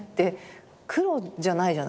黒じゃないじゃないですか。